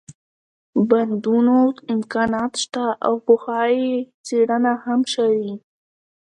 بندونو امكانات شته او پخوا يې څېړنه هم شوې